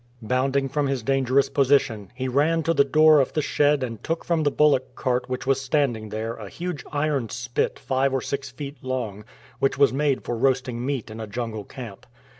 Bounding from his dangerous position, he ran to the door of the shed and took from the bullock cart which was standing there a huge iron spit five or six feet long, which was made for roasting meat in a jungle camp.